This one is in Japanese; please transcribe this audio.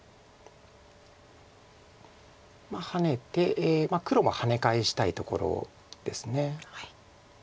ハネて黒もハネ返したいところです。